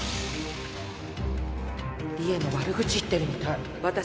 利恵の悪口言ってるみたい。